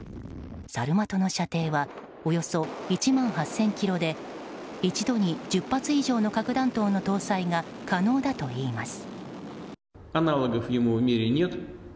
サルマトの射程はおよそ１万８０００ｋｍで一度に１０発以上の核弾頭の搭載が可能だといいます。